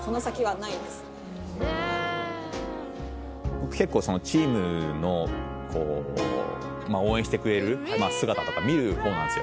僕結構チームの応援してくれる姿とか見る方なんですよ。